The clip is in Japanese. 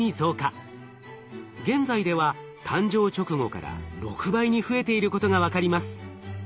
現在では誕生直後から６倍に増えていることが分かります。